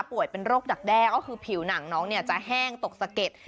ป่วยเป็นโรคดักแด้ก็คือผิวหนังจะแห้งจะตกเสะ